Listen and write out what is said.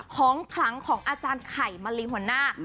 ของขลังของอาจารย์ไข่มาลีหัวหน้า